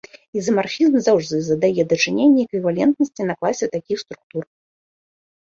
Ізамарфізм заўжды задае дачыненне эквівалентнасці на класе такіх структур.